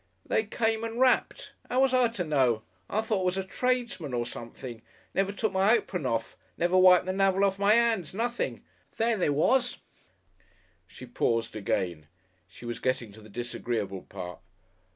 "They came and rapped. 'Ow was I to know? I thought it was a tradesman or something. Never took my apron off, never wiped the 'namel off my 'ands nothing. There they was!" She paused again. She was getting to the disagreeable part.